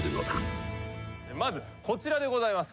まずこちらでございます。